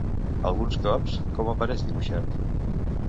Alguns cops, com apareix dibuixat?